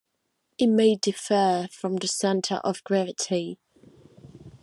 It may differ from the centre of gravity.